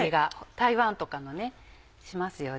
台湾とかのしますよね。